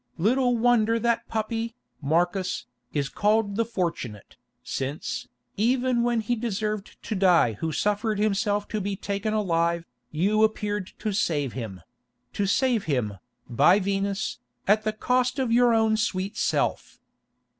Little wonder that puppy, Marcus, is called The Fortunate, since, even when he deserved to die who suffered himself to be taken alive, you appeared to save him—to save him, by Venus, at the cost of your own sweet self.